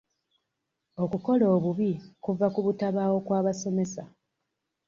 Okukola obubi kuva ku butabaawo kw'abasomesa.